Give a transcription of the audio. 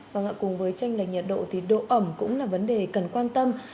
và cùng với tranh lệch nhiệt độ thì độ ẩm cũng là vấn đề cần quan tâm